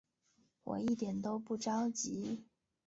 我一点都不着急